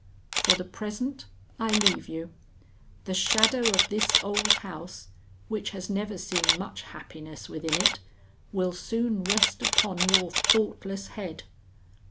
For the present I leave you. The shadow of this old house which has never seen much happiness within it will soon rest upon your thoughtless head.